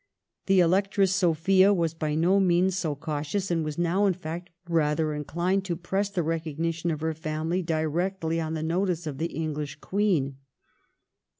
The Electress Sophia was by no means so cautious, and was now, in fact, rather inclined to press the recognition of her family directly on the notice of the English Queen.